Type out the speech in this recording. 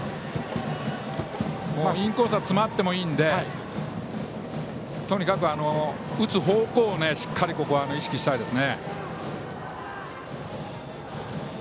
インコースは詰まってもいいのでとにかく打つ方向をしっかり意識したいです。